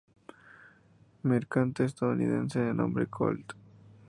Mercante estadounidense de nombre Colt.